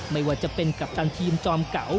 ไม่ว่าจะเป็นกัปตันทีมจอมเก่า